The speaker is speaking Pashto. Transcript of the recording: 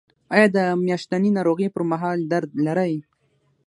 ایا د میاشتنۍ ناروغۍ پر مهال درد لرئ؟